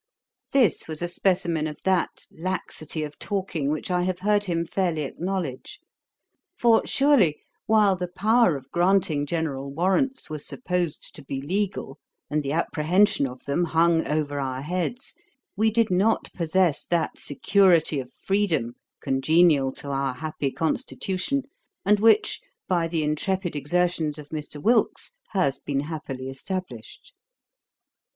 This was a specimen of that laxity of talking, which I have heard him fairly acknowledge; for, surely, while the power of granting general warrants was supposed to be legal, and the apprehension of them hung over our heads, we did not possess that security of freedom, congenial to our happy constitution, and which, by the intrepid exertions of Mr. Wilkes, has been happily established.